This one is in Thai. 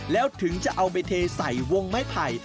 แล้วถึงจะเอาไปเทใส่วงไม้ไผ่